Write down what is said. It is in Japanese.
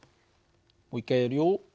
もう一回やるよ。